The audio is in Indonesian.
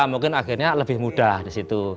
mungkin akhirnya lebih mudah disitu